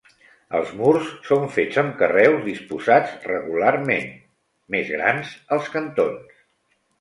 Els murs són fets amb carreus disposats regularment, més grans als cantons.